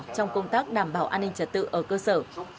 trong công tác đảm bảo an ninh trật tự ở cơ sở